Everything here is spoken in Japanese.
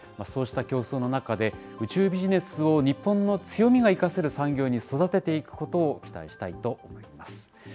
そうした競争の中で、宇宙ビジネスを日本の強みが生かせる産業に育てていくことを期待したいと思います。